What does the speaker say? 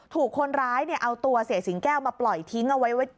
ถูกคนร้ายเอาตัวเสียสิงแก้วมาปล่อยทิ้งเอาไว้